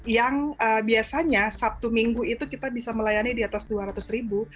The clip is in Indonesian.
yang biasanya sabtu minggu itu kita bisa melayani di atas dua ratus ribu